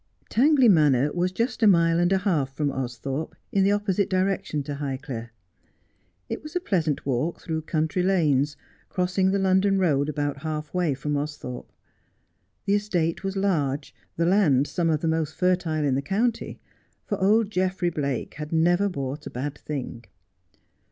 Tangley Manor was just a mile and a half from Austhorpe, in the opposite direction to Highclere. It was a pleasant walk through country lanes, crossing the London road about half way from Austhorpe. The estate was large, the land some of the most fertile in the county, for old Geoffrey Blake had never bought a bad thing.